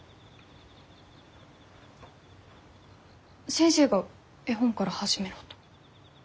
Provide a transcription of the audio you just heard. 先生が絵本から始めろと。